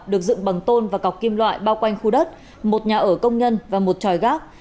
được dựng bằng tôn và cọc kim loại bao quanh khu đất một nhà ở công nhân và một tròi gác